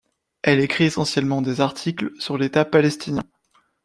Elle écrit essentiellement des articles sur l'État palestinien.